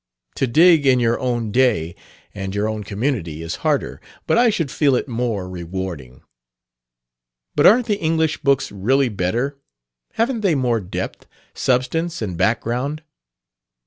To dig in your own day and your own community is harder, but I should feel it more rewarding." "But aren't the English books really better? Haven't they more depth, substance and background?"